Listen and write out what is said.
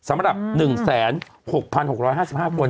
สำหรับ๑๖๖๕๕คน